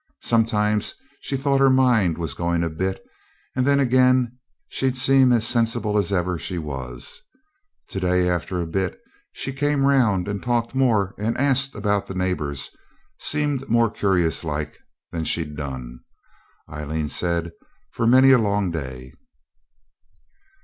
Sometimes she thought her mind was going a bit, and then again she'd seem as sensible as ever she was. To day, after a bit, she came round and talked more and asked about the neighbours, seemed more curious like, than she'd done, Aileen said, for many a long day.